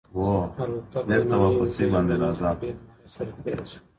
الوتکه د نريو وريځو له منځه په ډېر مهارت سره تېره شوه.